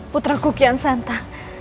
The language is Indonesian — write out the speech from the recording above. putraku kian santa